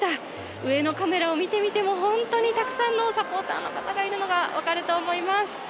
上のカメラを見てみても、本当にたくさんのサポーターの方がいるのが分かると思います。